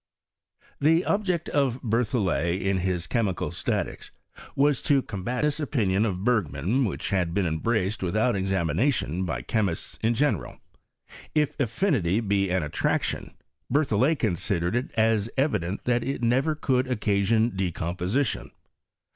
The object of Berthollet in his Chemical Statics, was to combat this opinion of Bergman, which had leen embraced without examination by chemists in general. If affinity be an attraction, Berthollet considered it as evident that it never could occasion decomposition.